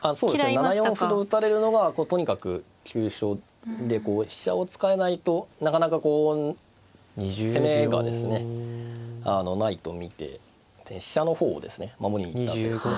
７四歩と打たれるのがとにかく急所で飛車を使えないとなかなかこう攻めがですねないと見て飛車の方をですね守りに行った手ですね。